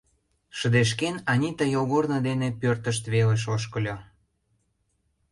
Шыдешкен, Анита йолгорно дене пӧртышт велыш ошкыльо.